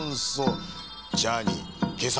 ジャーニーけさ